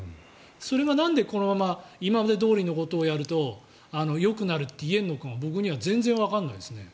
それがなんでこのまま今までどおりのことをやるとよくなると言えるのかが僕には全然わからないですね。